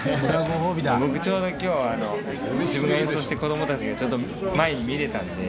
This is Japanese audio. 僕ちょうど今日自分が演奏して子供たちがちゃんと前に見られたので。